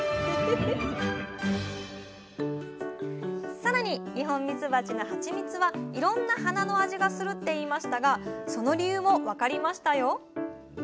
更に二ホンミツバチのハチミツはいろんな花の味がするって言いましたがその理由も分かりましたよ